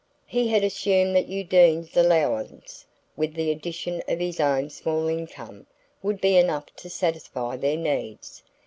He had assumed that Undine's allowance, with the addition of his own small income, would be enough to satisfy their needs.